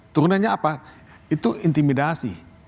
turunannya apa itu intimidasi